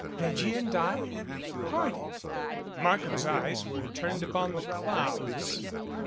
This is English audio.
"Reggie and I have parted." Markham's eyes were turned upon the clouds.